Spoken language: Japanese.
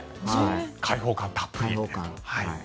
開放感たっぷり。